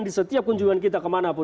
di setiap kunjungan kita kemanapun